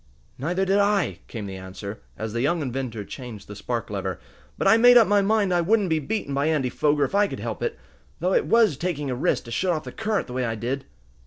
"Neither did I," came the answer, as the young inventor changed the spark lever. "But I made up my mind I wouldn't be beaten by Andy Foger, if I could help it. Though it was taking a risk to shut off the current the way I did."